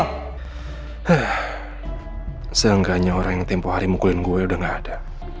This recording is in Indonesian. hah seenggaknya orang yang tempo hari mukulin gue udah gak ada